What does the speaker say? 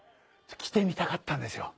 来てみたかったんですよ。